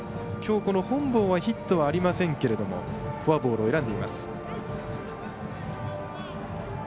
きょう、この本坊はヒットはありませんけどもフォアボールを選んでいます。